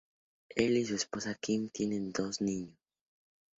Él y su esposa Kim tienen dos niños.